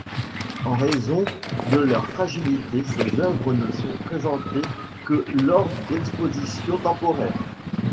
En raison de leur fragilité ces œuvres ne sont présentées que lors d'expositions temporaires.